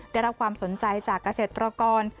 ได้รับความสนใจจากเกษตรกร